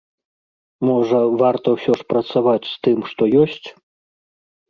Можа, варта ўсё ж працаваць з тым, што ёсць?